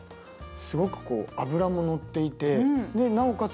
すごくこう脂も乗っていてなおかつ